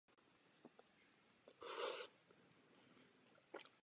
Jak to, že nevěříme ani ve svá vlastní strategická rozhodnutí?